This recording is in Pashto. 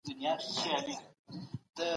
رسول الله ورته وويل: تا چي چاته امان ورکړی دی.